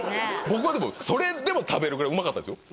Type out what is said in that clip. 僕はでもそれでも食べるぐらいうまかったんですよ